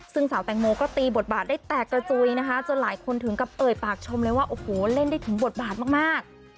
ซึ่งสาวแตงโมก็ตีบทบาทได้แตกกระจุยนะคะจนหลายคนถึงกับเอ่ยปากชมเลยว่าโอ้โหเล่นได้ถึงบทบาทมาก